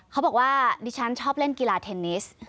เขาบอกว่าดิฉันชอบเล่นกีฬาเทนนิส